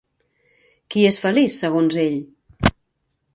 Qui és feliç segons ell?